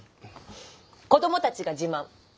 子供たちが自慢。